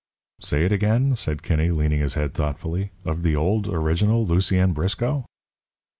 "Say it again," said Kinney, leaning his head thoughtfully. "Of the old, original Lucien Briscoe?"